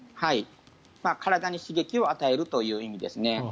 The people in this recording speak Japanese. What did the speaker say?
体に刺激を与えるという意味ですね。